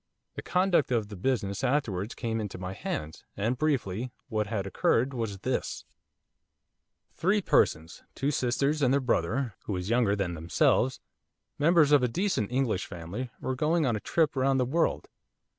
The conduct of the business afterwards came into my hands, and briefly, what had occurred was this: Three persons, two sisters and their brother, who was younger than themselves, members of a decent English family, were going on a trip round the world.